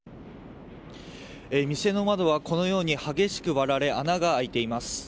店の窓はこのように激しく割られ穴が開いています。